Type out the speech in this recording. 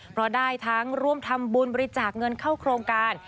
เพราะได้ทั้งร่วมทำบุญบริจาคเงินเข้าโครงการ